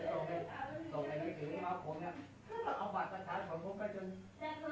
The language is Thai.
เนี่ยโหก็เกิดทำให้ส่งไงล่ะ